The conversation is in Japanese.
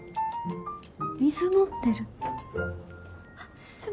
水飲んでる。